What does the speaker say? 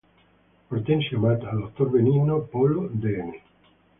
Hortensia Mata, Dr. Benigno Polo, Dn.